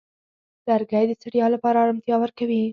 لرګی د ستړیا لپاره آرامتیا ورکوي.